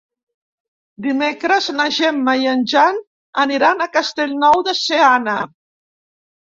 Dimecres na Gemma i en Jan aniran a Castellnou de Seana.